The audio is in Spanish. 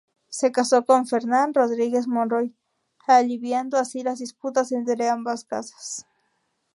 Se casó con Fernán Rodríguez Monroy, aliviando así las disputas entre ambas casas.